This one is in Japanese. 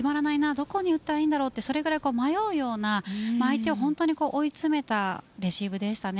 どこに打ったらいいんだろうというぐらい迷うような、相手を追い詰めたレシーブでしたね。